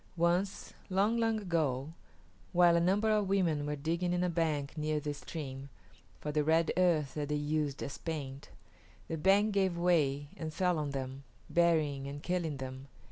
Once, long, long ago, while a number of women were digging in a bank near this stream for the red earth that they used as paint, the bank gave way and fell on them, burying and killing them.